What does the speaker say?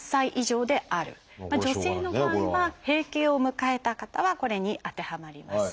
女性の場合は閉経を迎えた方はこれに当てはまります。